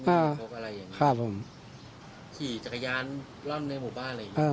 อ่าพกอะไรอย่างงี้ครับผมขี่จักรยานรอดในหมู่บ้านอะไร